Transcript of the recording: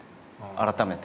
改めて。